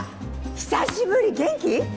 久しぶり元気？